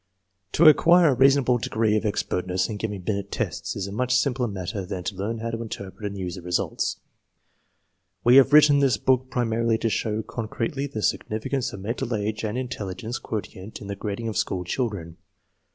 To acquire a reasonable degree of expertness in giving Binet tests is a much simpler matter than to learn how to interpret and use the results. We have written this book prima rily to show concretely the significance of mental age and intelligence quotient in the grading of school chil dren.